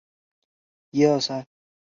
拉普拉斯是因果决定论的信徒。